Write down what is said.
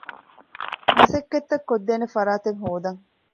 މަސައްކަތްތައް ކޮށްދޭނެ ފަރާތެއް ހޯދަން